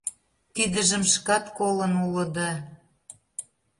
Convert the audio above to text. Тидыжым шкат колын улыда.